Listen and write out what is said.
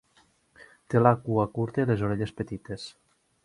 Té la cua curta i les orelles petites.